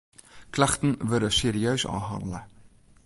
Klachten wurde serieus ôfhannele.